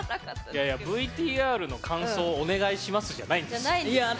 いやいや「ＶＴＲの感想をお願いします」じゃないんですよ。